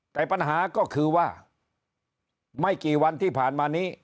แต่ปัญหาก็คือว่าไม่กี่วันที่ผ่านมานี้